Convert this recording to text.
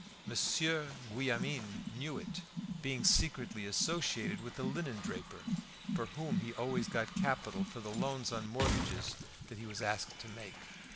Monsieur Guillaumin knew it, being secretly associated with the linendraper, from whom he always got capital for the loans on mortgages that he was asked to make.